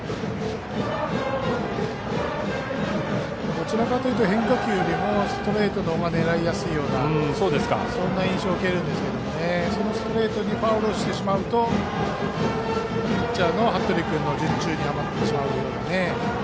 どちらかというと変化球よりもストレートの方が狙いやすいような印象を受けますがそのストレートをファウルしてしまうとピッチャーの服部君の術中にはまってしまうような。